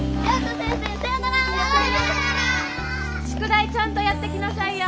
宿題ちゃんとやってきなさいよ。